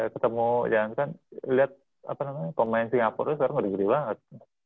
ketemu jangan kan lihat pemain singapura itu sekarang udah gede banget